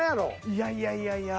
いやいやいやいや。